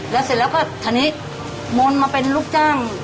แล้วเสร็จแล้วก็ทีนี้มนต์มาเป็นลูกจ้าง